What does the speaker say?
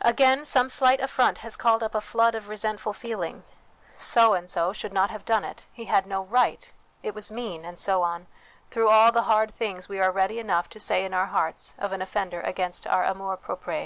Again, some slight affront has called up a flood of resentful feeling : So and so should not THE WILL CONSCIENCE DIVINE LIFE 325 have done it, he had no right, it was mean, and so on, through all the hard things we are ready enough to say in our hearts of an offender against our amour propre.